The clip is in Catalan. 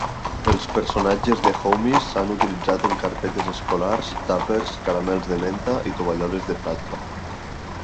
Els personatges de "Homies" s'han utilitzat en carpetes escolars, tàpers, caramels de menta i tovalloles de platja.